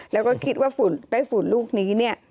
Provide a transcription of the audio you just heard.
แล้วก็คิดว่าไปฝุ่นลูกนี้เนี่ย